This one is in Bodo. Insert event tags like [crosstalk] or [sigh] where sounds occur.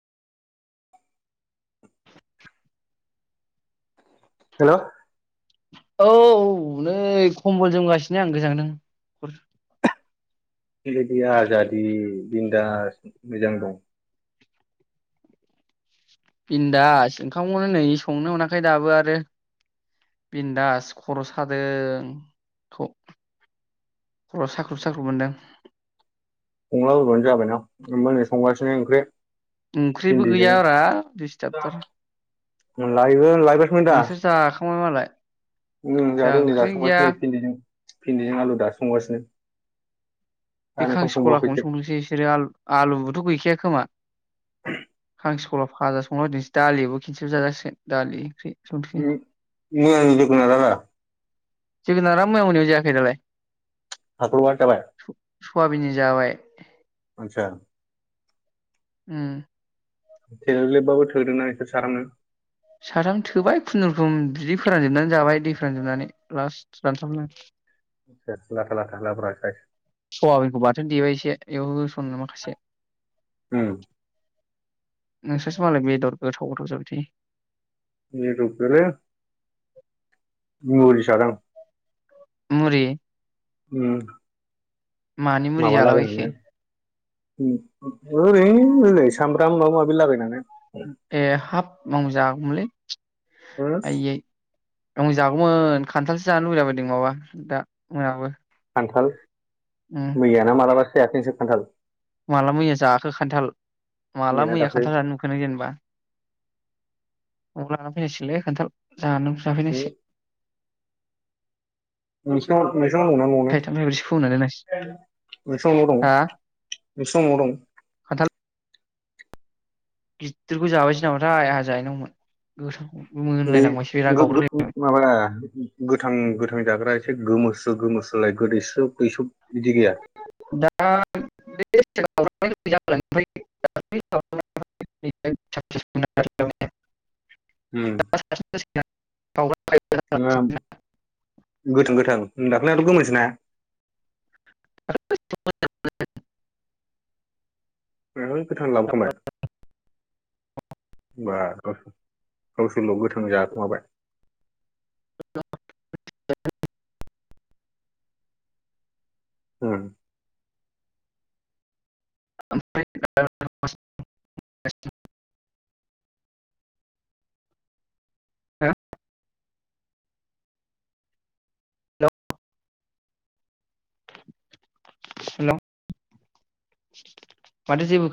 हेल' औ नै खम्बल जोमगासिनो आं गोजांदों। बेबायदि आजादि बिन्दाज मोजां दं। बिन्दास ओंखामखौनो नै संनो मोनाखै दाबो आरो बिन्दास खर' सादों थ' खर' साख्रुब साख्रुब मोनदों। संलाबायबानो जाबायना आंबो नै संगासिनो ओंख्रि। ओंख्रिबो भिन्दिजों गैया ब्रा दिसथाब थार लायहो लायबासोमोन दा जाखांबाय मालाय। उम जोंहा जादों नै ओंख्रि दासो गैया संगासिनो फिन्दिजों आलु दाफंगासिनो। बे खांसिखलाखौनो संदोंसै बिसोरोल आलुबोथ‌ गैखाया खोमा। आं स्कुलाव फाजा संलार दिनोसै दालिबो खन्सेब जाजासिोन दालि ओंख्रि। संसै [unintelligible] मैयानि जोगोनारा लाय? जोगोनारा मैया मोनायाव जायाखै दालाय? हख [unintelligible] थाबाय खवाबिनि जाबाय। आतसा उम थेलेलेबाबो थोदों ना बेसोर साथाम जों। साथाम थोबाय खुनुरोखोम बिदि फोरानजोबनानै जाबाय दै फोरानजोबनानै लास्ट रानसाबनो लाथा लाथा लाब्रााय। सवाबिनखौ बाथोन देबाय एसे बेयाव होसननो माखासे। ओम। नोंसोरसो मालाय बेदर गोथाव गोथाव जाबाय थायो। न रुपेल मुरिसो जादों। मुरि उम। मानि मुलि माबा जालाबायखो लागायनानै ओरैनो ओरै सामब्राम बालु लाबायनानै ए हाफ मं जागैमोनलै। आइयै आंबो जागौमोन। खान्थालसो जानो लुबैलाबायदों माबा दा मोनाबो। खान्थाल उम मैया ना मालाबा जायाखै नोंसोर खान्थाल? माला मैया जाखो खान्थाल माला मैयाना मैया दाख्लै खान्थाल जानाय नुखो नों जेनेबा। नआव लाना फैनां सिगोनलै खान्थाल। जानो जाफैनांसि मानिसा मोननाव थाइथाम थाइब्रैसो फोमोनना दोननांसिगोन फै। दंना न'आवनो नोंसानावनो दं हा नोंसिनाव न' आव दं। खान्थाल गिदिरखौ जाबायसै नामाथाय आंहा जाहैनांगौमोन गोथावखौ। बे मोनलायलांबायसो गावब्रालायबाय। माबा दा गोथां गोथां जाग्रा एसे गोमोस्रो गोमोस्रोलाय गोदैस्रो दैसुब बिदि गैया [unintelligible] [unintelligible] [unintelligible] गोथां गोथां दाख्लैनाथ गोमो ना। [unintelligible] बे गोथां लाबोखांबाय। होनबा गावसोरल गोथां जाखुमाबाय। उम। [unintelligible] [inaudible] माथो जेबो